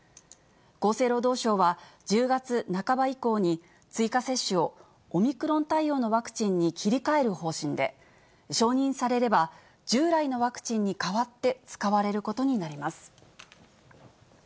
厚生労働省は、１０月半ば以降に、追加接種をオミクロン株対応のワクチンに切り替える方針で、従来のワクチンに代わって使われることになります。